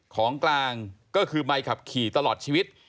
ของกลางก็คือใบขับขี่ตลอดชีวิต